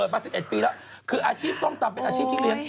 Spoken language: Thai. มันเดชใต้